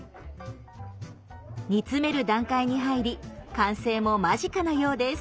煮詰める段階に入り完成も間近なようです。